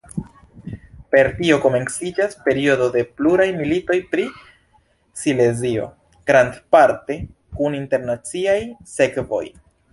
Per tio komenciĝas periodo de pluraj militoj pri Silezio, grandparte kun internaciaj sekvoj.